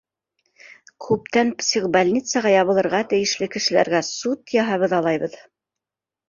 - Күптән психбольницаға ябылырға тейешле кешеләргә суд яһап ыҙалайбыҙ.